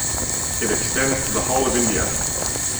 It extends to the whole of India.